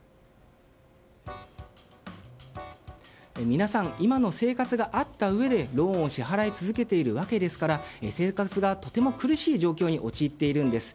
皆さん今の生活があったうえでローンを支払い続けているわけですから生活がとても苦しい状況に陥っているんです。